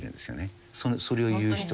それを言う人は。